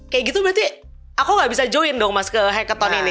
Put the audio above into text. kayak gitu berarti aku gak bisa join dong mas ke hacketon ini